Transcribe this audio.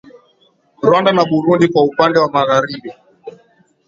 Rwanda na Burundi kwa upande wa Magharibi